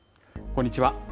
こんにちは。